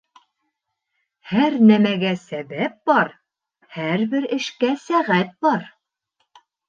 Һәр нәмәгә сәбәп бар, Һәр бер эшкә сәғәт бар.